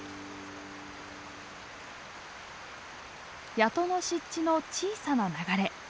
谷戸の湿地の小さな流れ。